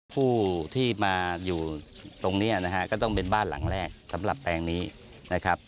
ผู้ที่มาอยู่ตรงนี้นะฮะก็ต้องเป็นบ้านหลังแรกสำหรับแปลงนี้นะครับ